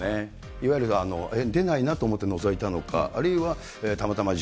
いわゆる、出ないなと思ってのぞいたのか、あるいは、たまたま事